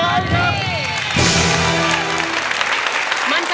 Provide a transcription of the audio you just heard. ไม่ใช้ค่ะ